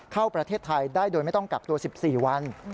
เข้าประเทศไทยได้โดยไม่ต้องกักตัว๑๔วัน